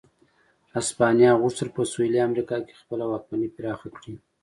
هسپانیا غوښتل په سوېلي امریکا کې خپله واکمني پراخه کړي.